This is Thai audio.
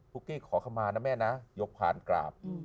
พุกกี้ขอขมารนะแม่นะยกผ่านกราบ